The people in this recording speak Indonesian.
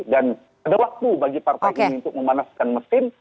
dan ada waktu bagi partai ini untuk memanaskan mesin